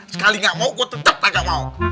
sekali gak mau gue tetep kagak mau